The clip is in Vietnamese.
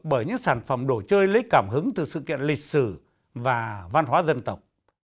bởi những sản phẩm đồ chơi lấy cảm hứng từ sự kiện lịch sử và văn hóa dân tộc